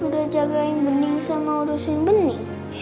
udah jagain bening sama urusin benih